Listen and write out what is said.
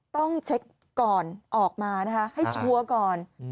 ต้องเช็คก่อนออกมานะคะให้ชัวร์ก่อน